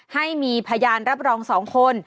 ให้มีพยานรับรอง๒คน